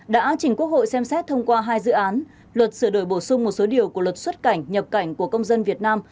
đã trình quốc hội xem xét thông qua hai dự án luật sửa đổi bổ sung một số điều của luật xuất cảnh nhập cảnh của công dân việt nam